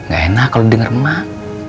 gak enak kalau denger mak